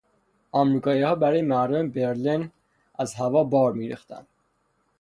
امریکاییها برای مردم برلن از هوا بار میریختند.